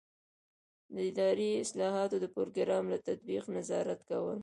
د اداري اصلاحاتو د پروګرام له تطبیق نظارت کول.